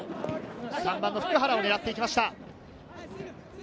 ３番の普久原を狙っていきました。